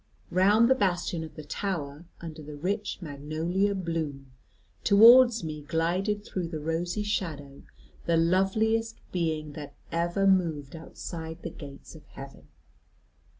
Round the bastion of the tower, under the rich magnolia bloom, towards me glided through the rosy shadow the loveliest being that ever moved outside the gates of heaven.